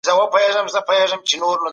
خپل کور تل په پوره منظمه توګه او پاک وساتئ.